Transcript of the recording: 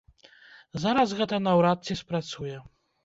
Зараз гэта наўрад ці спрацуе.